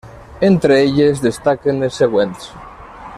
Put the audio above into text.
Entre elles, destaquen les següents.